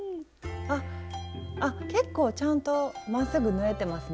あ結構ちゃんとまっすぐ縫えてますね。